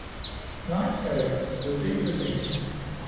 Nej, sagde jeg, aldeles ingen